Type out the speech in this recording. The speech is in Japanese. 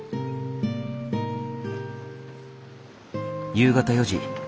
夕方４時。